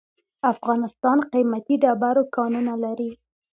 افغانستان قیمتي ډبرو کانونه لري.